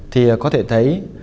thì có thể thấy